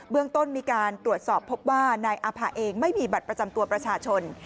เรื่องต้นมีการตรวจสอบพบว่านายอาภาเองไม่มีบัตรประจำตัวประชาชน